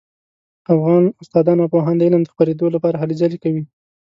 افغان استادان او پوهان د علم د خپریدو لپاره هلې ځلې کوي